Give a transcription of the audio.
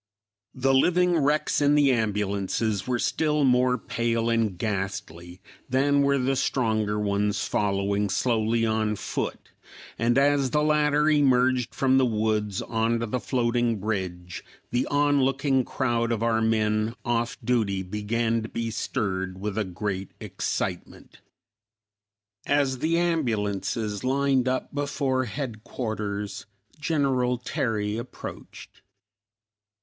The living wrecks in the ambulances were still more pale and ghastly than were the stronger ones following slowly on foot, and as the latter emerged from the woods on to the floating bridge, the onlooking crowd of our men off duty began to be stirred with a great excitement. As the ambulances lined up before headquarters, General Terry approached.